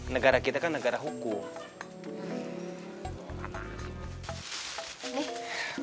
negara kita kan negara hukum